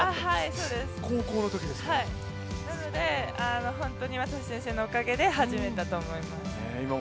なので松橋先生のおかげで始めたと思います。